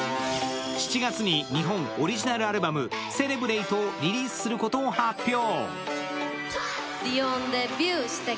７月に、日本オリジナルアルバム「Ｃｅｌｅｂｒａｔｅ」をリリースすることを発表。